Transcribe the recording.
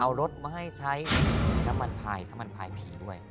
เอารถมาให้ใช้ธรรมณ์ผลายผลายผีด้วย